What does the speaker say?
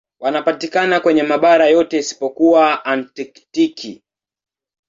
Wanapatikana kwenye mabara yote isipokuwa Antaktiki.